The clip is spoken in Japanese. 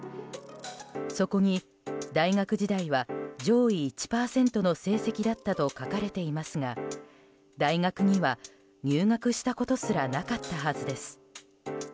そこに、大学時代は上位１％の成績だったと書かれていますが、大学には入学したことすらなかったはずです。